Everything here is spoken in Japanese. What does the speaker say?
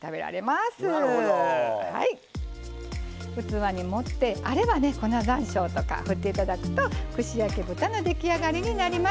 器に盛ってあればね粉ざんしょうとかふって頂くと串焼き豚の出来上がりになります。